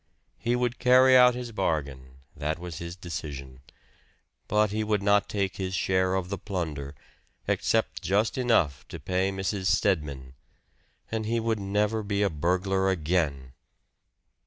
He would carry out his bargain that was his decision. But he would not take his share of the plunder, except just enough to pay Mrs. Stedman. And he would never be a burglar again!